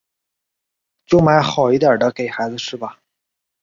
就买好一点的给孩子吃吧